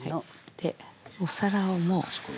でお皿をもう。